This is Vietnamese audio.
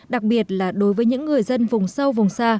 đặc biệt là đối với những người dân vùng sâu vùng xa